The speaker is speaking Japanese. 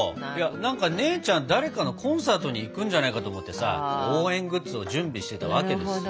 何か姉ちゃん誰かのコンサートに行くんじゃないかと思ってさ応援グッズを準備してたわけですよ。